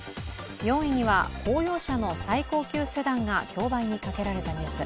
４位には公用車の最高級セダンが競売にかけられたニュース。